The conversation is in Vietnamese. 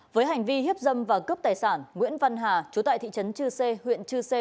với hành vi hiếp dâm và cướp tài sản nguyễn văn hà chú tại thị trấn chư sê huyện chư sê